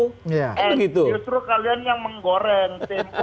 justru kalian yang menggoreng tempo